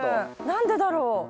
何でだろう？